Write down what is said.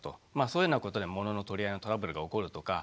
そういうようなことで物の取り合いのトラブルが起こるとか。